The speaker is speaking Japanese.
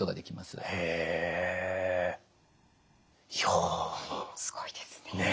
すごいですね。